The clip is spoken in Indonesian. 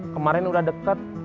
kemarin udah deket